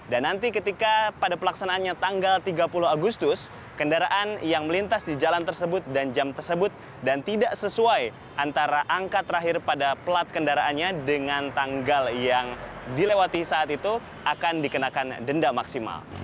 dan nanti ketika pada pelaksanaannya tanggal tiga puluh agustus kendaraan yang melintas di jalan tersebut dan jam tersebut dan tidak sesuai antara angka terakhir pada pelat kendaraannya dengan tanggal yang dilewati saat itu akan dikenakan denda maksimal